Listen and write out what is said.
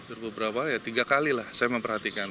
berbeberapa ya tiga kalilah saya memperhatikan